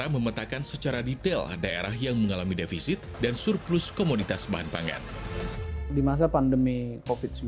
pemulasaraan jenazah korban covid sembilan belas